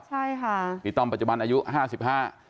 ใช่ค่ะพี่ต้อมปัจจุบันอายุห้าสิบห้า